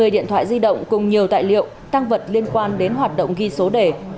một mươi điện thoại di động cùng nhiều tài liệu tăng vật liên quan đến hoạt động ghi số đề